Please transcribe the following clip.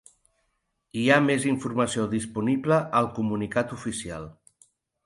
Hi ha més informació disponible al comunicat oficial.